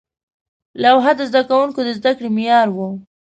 لوحه د زده کوونکو د زده کړې معیار و.